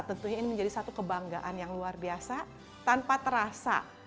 tentunya ini menjadi satu kebanggaan yang luar biasa tanpa terasa